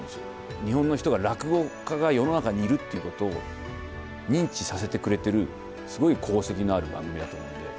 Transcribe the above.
日本の人に落語家が世の中にいるっていうことを認知させてくれてるすごい功績のある番組だと思うので。